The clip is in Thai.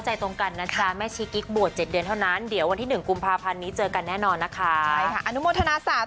ไม่ว่าถ้าเกิดอายุมากแล้วนะ๖๐อ่ะอาจจะบวช